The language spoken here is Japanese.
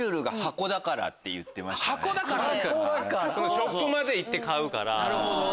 ショップまで行って買うから。